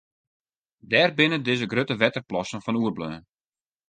Dêr binne dizze grutte wetterplassen fan oerbleaun.